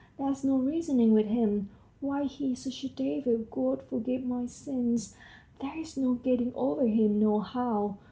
There's no reasoning with him; why, he's such a devil, God forgive my sins, there's no getting over him nohow